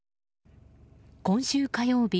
今週火曜日